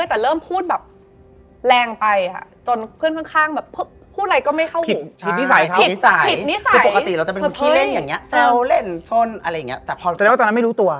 แต่พอจะเรียกว่าตอนนั้นไม่รู้ตัว